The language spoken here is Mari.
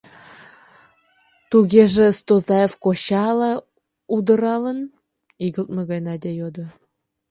— Тугеже Стозаев коча ала удыралын? — игылтме гай Надя йодо.